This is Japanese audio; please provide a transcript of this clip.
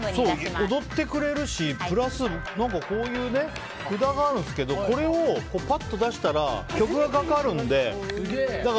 今日、踊ってくれるしプラスこういう札があるんですけどこれをパッと出したら曲がかかるので。